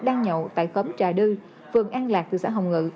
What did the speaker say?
đang nhậu tại khóm trà đư phường an lạc thị xã hồng ngự